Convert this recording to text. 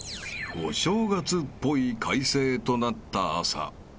［お正月っぽい快晴となった朝］